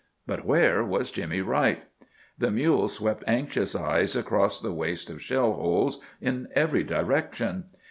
But where was Jimmy Wright? The mule swept anxious eyes across the waste of shell holes, in every direction.